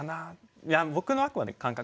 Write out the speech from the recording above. いや僕のあくまで感覚。